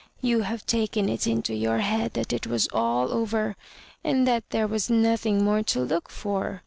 You have taken it into your head that it was all over, and that there was nothing more to look for.